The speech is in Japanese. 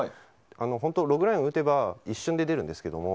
本当、ログラインを打てば一瞬で出るんですけれども。